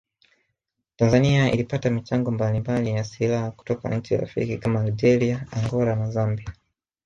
Tanzani ilipata michango mbalimbali ya silaha kutoka nchi rafiki kama Algeria Angola na Zambia